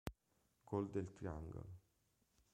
Golden Triangle